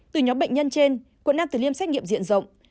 từ nhóm bệnh nhân trên quận năm từ liêm xét nghiệm diện rộng